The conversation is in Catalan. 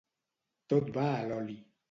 Tot va a l'oli.